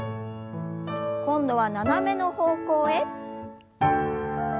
今度は斜めの方向へ。